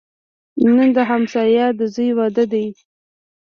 نن د همسایه د زوی واده دی